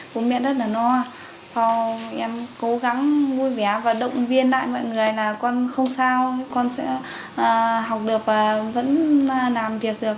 bố mẹ rất là lo em cố gắng vui vẻ và động viên lại mọi người là con không sao con sẽ học được và vẫn làm việc được